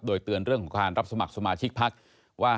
โดยเตือนเรื่องของการรับสมัครสมาชิกพักว่า